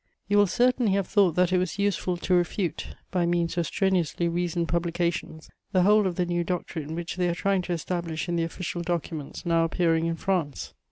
"You will certainly have thought that it was useful to refute, by means of strenuously reasoned publications, the whole of the new doctrine which they are trying to establish in the official documents now appearing in France.